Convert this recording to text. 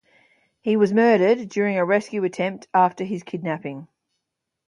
He was murdered during a rescue attempt after his kidnapping.